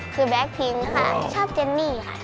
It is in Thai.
คือแก๊กพิงค่ะชอบเจนนี่ค่ะ